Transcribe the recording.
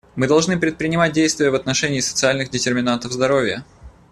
Мы должны предпринимать действия в отношении социальных детерминантов здоровья.